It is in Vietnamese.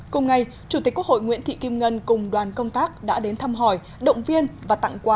cùng ngày chủ tịch quốc hội nguyễn thị kim ngân cùng đoàn công tác đã đến thăm hỏi động viên và tặng quà